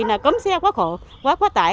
là cấm xe quá tải